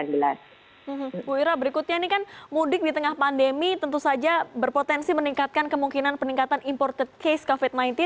ibu ira berikutnya ini kan mudik di tengah pandemi tentu saja berpotensi meningkatkan kemungkinan peningkatan imported case covid sembilan belas